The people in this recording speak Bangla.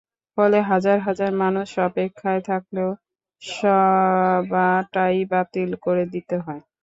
ফলে হাজার হাজার মানুষ অপেক্ষায় থাকলেও সভাটাই বাতিল করে দিতে হয়।